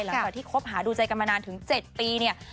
หลังจากที่คบหาดูใจกันมานานถึง๗ปีเนี่ย